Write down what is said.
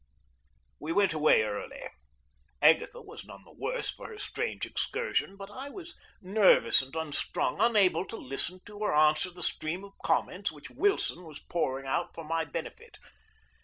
We went away early. Agatha was none the worse for her strange excursion, but I was nervous and unstrung, unable to listen to or answer the stream of comments which Wilson was pouring out for my benefit.